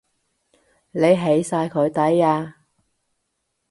你起晒佢底呀？